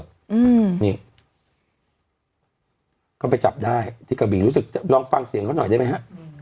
อืมนี่ก็ไปจับได้ที่กระบีรู้สึกลองฟังเสียงเขาหน่อยได้ไหมฮะ